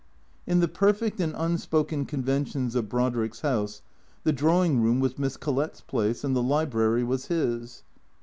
In the perfect and unspoken conventions of Brodrick's house the drawing room was Miss Collett's place, and the library was his.